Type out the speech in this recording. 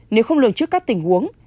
nếu không lường trước các tình huống